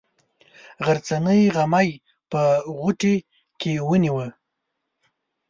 غرڅنۍ غمی په موټي کې ونیوه.